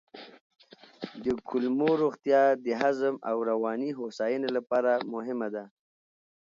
د کولمو روغتیا د هضم او رواني هوساینې لپاره مهمه ده.